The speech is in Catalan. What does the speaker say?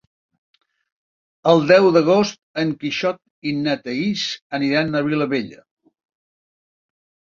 El deu d'agost en Quixot i na Thaís aniran a Vilabella.